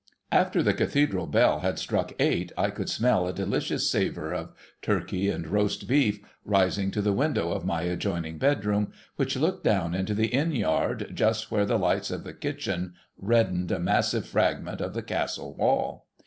After the Cathedral bell had struck eight, I could smell a delicious savour of Turkey and Roast Beef rising to the window of my adjoining bedroom, which looked down into the inn yard just where the lights of the kitchen reddened a massive fragment of the Castle Wall.